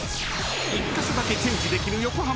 ［１カ所だけチェンジできる横浜さん］